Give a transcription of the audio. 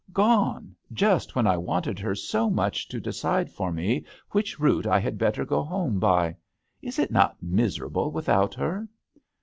" Gone, just when I wanted her so much to decide for me which route I had better go home by. Is it not miserable without her